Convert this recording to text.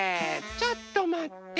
ちょっとまって。